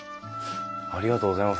ありがとうございます。